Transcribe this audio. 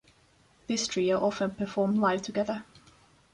This trio often perform live together.